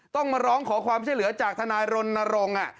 ต้องมาร้องขอความช่วยเหลือจากทนายรณรงค์